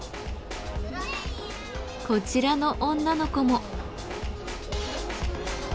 こちらの女の子も。